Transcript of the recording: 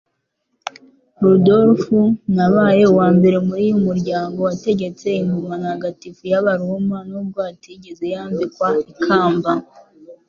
Rudolf nabaye uwambere muri uyu muryango wategetse Ingoma ntagatifu y'Abaroma, nubwo atigeze yambikwa ikamba